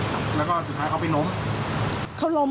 แล้วก็สุดท้ายเขาไปล้ม